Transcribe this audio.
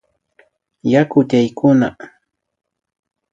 Yaku tukyaykuna